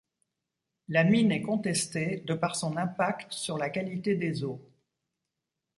La mine est contestée de par son impact sur la qualité des eaux.